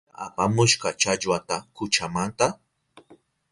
¿Pita apamushka challwata kuchamanta?